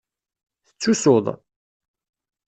Tettusuḍ?